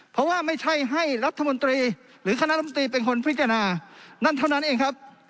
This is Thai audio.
เพราะว่าไม่ใช่ให้รัฐมนตรีหรือคณะรัฐมนตรีเป็นคนพิจารณานั่นเท่านั้นเองครับ